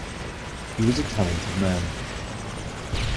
He was a talented man.